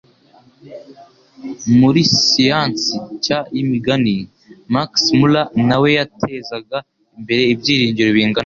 Muri siyansi nshya y'imigani, Max Muller na we yatezaga imbere ibyiringiro bingana